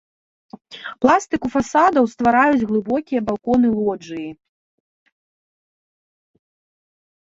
Пластыку фасадаў ствараюць глыбокія балконы-лоджыі.